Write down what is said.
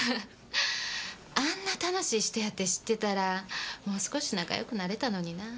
あんな楽しい人やって知ってたらもう少し仲良くなれたのにな。